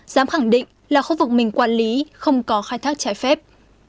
dám khẳng định là khu vực mình quản lý không có khai thác trái phép